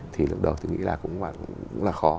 thì lúc đầu tôi nghĩ là cũng là khó